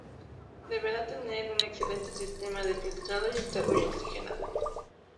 Deberá tener un excelente sistema de filtrado y estar muy oxigenada.